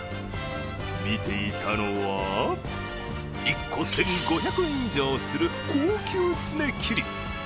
見ていたのは、１個１５００円以上する高級爪切り。